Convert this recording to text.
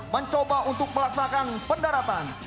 mencoba untuk melaksanakan pendaratan